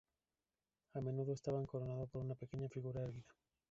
A menudo estaba coronado por una pequeña figura erguida.